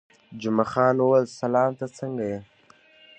جمعه خان وویل: سلام، ته څنګه یې؟